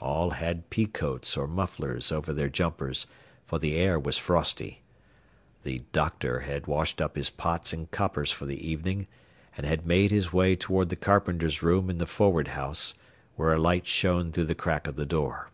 All had pea coats or mufflers over their jumpers, for the air was frosty. The "doctor" had washed up his pots and coppers for the evening, and had made his way toward the carpenter's room in the forward house, where a light shone through the crack of the door.